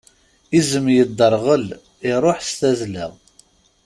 Izem yedderɣel, iṛuḥ s tazla.